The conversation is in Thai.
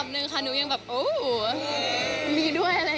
นี่